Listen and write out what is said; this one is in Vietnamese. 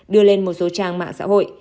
đưa lên một số trang mạng xã hội